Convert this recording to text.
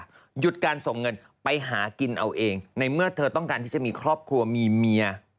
หยุดการส่งเงินไปหากินเอาเองในเมื่อเธอต้องการที่จะมีครอบครัวมีเมีย